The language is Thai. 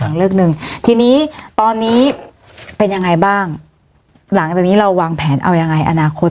อีกเรื่องหนึ่งทีนี้ตอนนี้เป็นยังไงบ้างหลังจากนี้เราวางแผนเอายังไงอนาคต